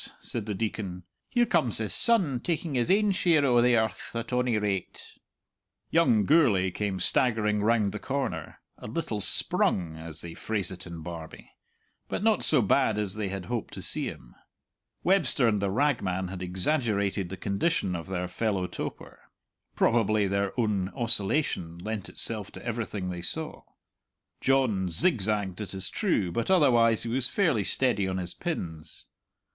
said the Deacon. "Here comes his son, taking his ain share o' the earth, at ony rate." Young Gourlay came staggering round the corner, "a little sprung" (as they phrase it in Barbie), but not so bad as they had hoped to see him. Webster and the ragman had exaggerated the condition of their fellow toper. Probably their own oscillation lent itself to everything they saw. John zigzagged, it is true, but otherwise he was fairly steady on his pins.